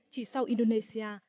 chỉ sau indonesia